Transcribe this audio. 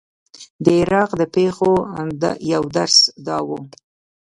د عراق د پېښو یو درس دا و.